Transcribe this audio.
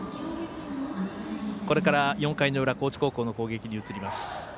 これから４回の裏高知高校の攻撃に移ります。